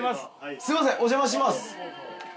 すいませんお邪魔します。